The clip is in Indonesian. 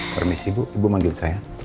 permisi bu ibu manggil saya